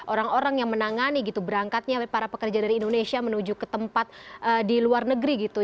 orang orang yang menangani gitu berangkatnya para pekerja dari indonesia menuju ke tempat di luar negeri gitu